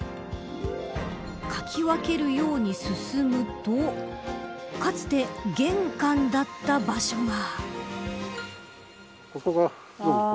かき分けるように進むとかつて玄関だった場所が。